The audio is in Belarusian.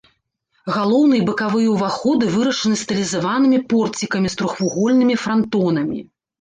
Галоўны і бакавыя ўваходы вырашаны стылізаванымі порцікамі з трохвугольнымі франтонамі.